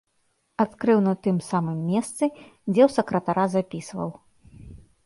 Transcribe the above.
Адкрыў на тым самым месцы, дзе ў сакратара запісваў.